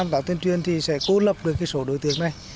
một mươi năm tạo tuyên truyền thì sẽ cố lập được cái sổ đối tượng này